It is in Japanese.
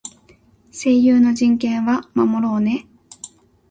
声優の人権は守ろうね。